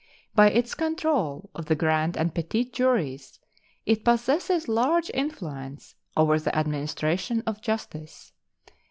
By its control of the grand and petit juries it possesses large influence over the administration of justice.